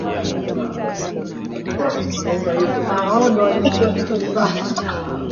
asilimia arobaini na saba ya watu wanaoishi na virusi vya ukimwi